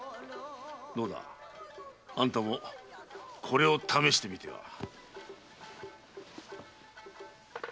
どうだあんたもこれを試してみては。